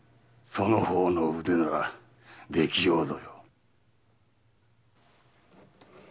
その方の腕ならできようぞ。